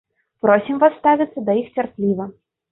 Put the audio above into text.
Просім вас ставіцца да іх цярпліва.